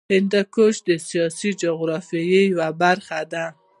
هندوکش د سیاسي جغرافیه یوه برخه ده.